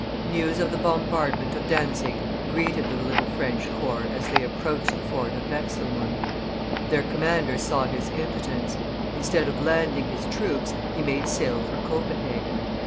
News of the bombardment of Dantzic greeted the little French corps as they approached the fort of Wechselmunde. Their commander saw his impotence; instead of landing his troops, he made sail for Copenhagen.